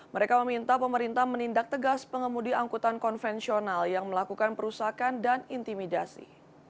mereka meminta pemerintah menindak tegas pengemudi angkutan konvensional yang melakukan perusakan dan intimidasi